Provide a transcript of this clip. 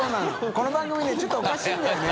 この番組ねちょっとおかしいんだよね。